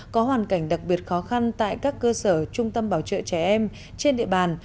có hoàn cảnh đặc biệt khó khăn tại các cơ sở trung tâm bảo trợ trẻ em trên địa bàn